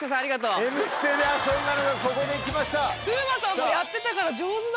『Ｍステ』で遊んだのがここで生きました。